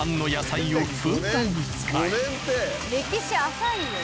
歴史浅いよ。